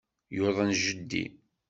Yuḍen jeddi.